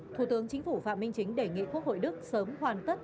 thủ tướng chính phủ phạm minh chính đề nghị quốc hội đức sớm hoàn tất